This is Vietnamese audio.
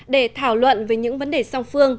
để thảo luận về những vấn đề song phương